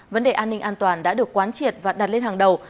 vấn đề an ninh an toàn đã được quán triệt và đặt lên hàng đầu